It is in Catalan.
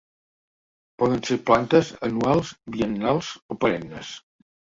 Poden ser plantes anuals, biennals o perennes.